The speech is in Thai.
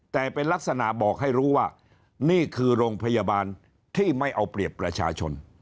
แต่เป็นลักษณะบอกให้รู้ว่านี่คือโรงพยาบาลที่ไม่เอาเปรียบประชาชน